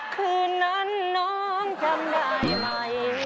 คืนนั้นน้องจำได้ไหม